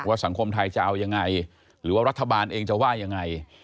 สังคมไทยจะเอายังไงหรือว่ารัฐบาลเองจะว่ายังไง